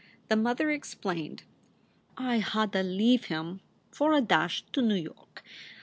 The mother explained: "I hadda leave him for a dash to N York.